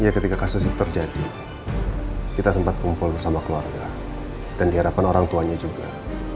ya ketika kasus itu terjadi kita sempat kumpul bersama keluarga dan diharapkan orang tuanya juga